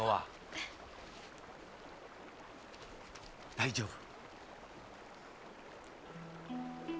大丈夫。